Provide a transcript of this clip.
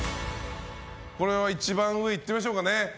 これは一番上いってみましょうかね。